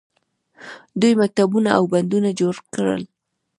دوی مکتبونه او بندونه جوړ کړل.